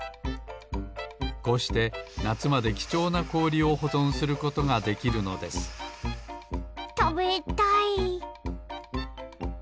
こうしてなつまできちょうなこおりをほぞんすることができるのですたべたい！